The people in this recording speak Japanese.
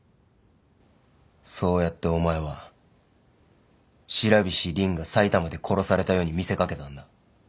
そうやってお前は白菱凜が埼玉で殺されたように見せかけたんだ。